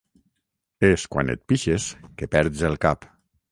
És quan et pixes que perds el cap.